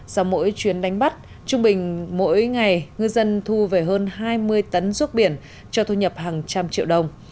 sau mỗi chuyến đánh bắt trung bình mỗi ngày ngư dân thu về hơn hai mươi tấn ruốc biển cho thu nhập hàng trăm triệu đồng